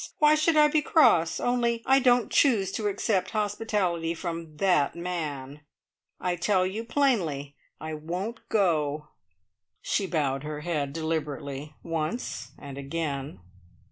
Why should I be cross? Only I don't choose to accept hospitality from that man. I tell you plainly I won't go." She bowed her head, deliberately, once and again.